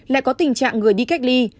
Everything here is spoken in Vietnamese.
lại có tình trạng người đi cách ly